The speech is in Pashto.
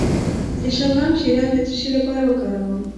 د شلغم شیره د څه لپاره وکاروم؟